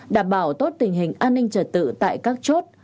đảm bảo tốt tình hình an ninh trật tự tại các chốt